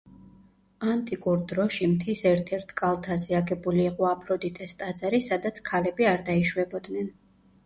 ანტიკურ დროში მთის ერთ-ერთ კალთაზე აგებული იყო აფროდიტეს ტაძარი, სადაც ქალები არ დაიშვებოდნენ.